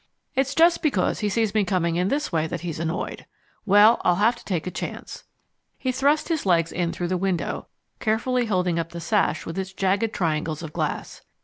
It's just because he sees me coming in this way that he's annoyed. Well, I'll have to take a chance." He thrust his legs in through the window, carefully holding up the sash with its jagged triangles of glass.